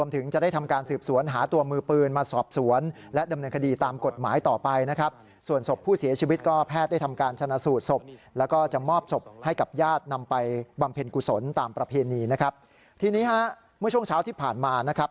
ตามประเพณีนะครับทีนี้ฮะเมื่อช่วงเช้าที่ผ่านมานะครับ